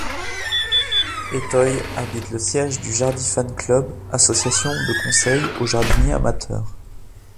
Etoy abrite le siège du Jardi-Fan-Club, association de conseil aux jardiniers amateurs.